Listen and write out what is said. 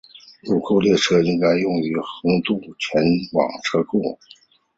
入库列车则利用该横渡线前往车库。